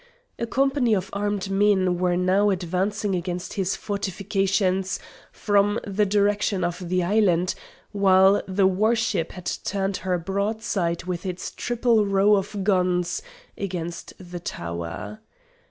A company of armed men were now advancing against his fortifications from the direction of the island, while the war ship had turned her broadside with its triple row of guns against the tower.